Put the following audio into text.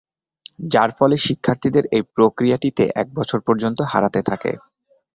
যার ফলে শিক্ষার্থীদের এই প্রক্রিয়াটিতে এক বছর পর্যন্ত হারাতে থাকে।